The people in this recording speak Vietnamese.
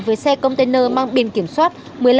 với xe container mang biển kiểm soát